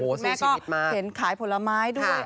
โอ้โฮสู้ชีวิตมากแม่ก็เห็นขายผลไม้ด้วย